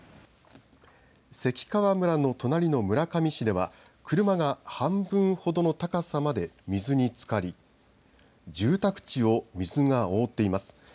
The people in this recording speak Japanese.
関川村の隣の村上市では車が半分ほどの高さまで水につかり住宅地を水が覆っています。